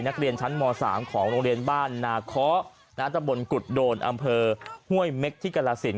นักเรียนชั้นม๓ของโรงเรียนบ้านนาเคาะตะบนกุฎโดนอำเภอห้วยเม็กที่กรสิน